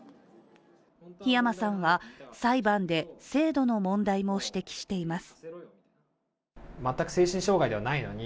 火山さんは裁判で制度の問題も指摘しています